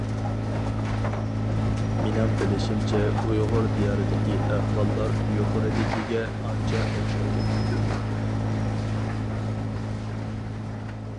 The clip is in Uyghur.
مېنىڭ بىلىشىمچە ئۇيغۇر دىيارىدىكى ئەھۋاللار يۇقىرىدىكىگە ئانچە ئوخشاپ كەتمەيدۇ.